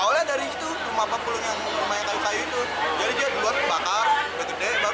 awalnya dari rumah rumah yang kami sayu itu jadi dia buat kebakar kebakar baru kebakar